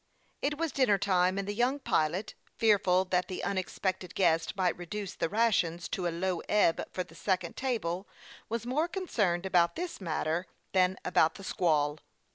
It was dinner time, and the young pilot, fearful that the unexpected guest might reduce the rations to a low ebb for the second table, was more con cerned about this matter than about the squall.